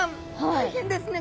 大変ですね